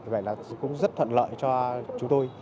vậy là cũng rất thuận lợi cho chúng tôi